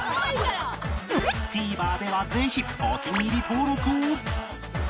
ＴＶｅｒ ではぜひお気に入り登録を